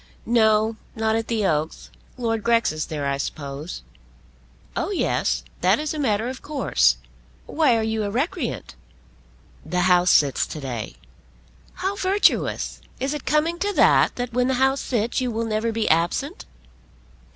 "No; not at the Oaks. Lord Grex is there, I suppose?" "Oh yes; that is a matter of course. Why are you a recreant?" "The House sits to day." "How virtuous! Is it coming to that, that when the House sits you will never be absent?"